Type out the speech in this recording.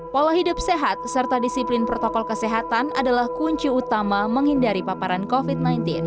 pola hidup sehat serta disiplin protokol kesehatan adalah kunci utama menghindari paparan covid sembilan belas